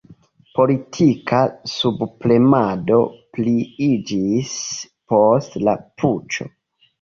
Politika subpremado pliiĝis post la puĉo.